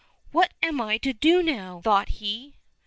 " What am I to do now ?" thought he.